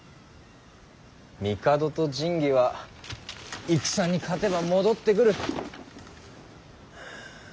帝と神器は戦に勝てば戻ってくる。